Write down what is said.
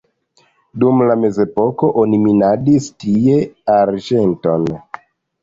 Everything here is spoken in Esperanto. Dum la mezepoko oni minadis tie arĝenton.